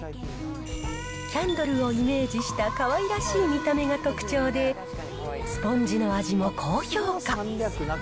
キャンドルをイメージしたかわいらしい見た目が特徴で、スポンジの味も高評価。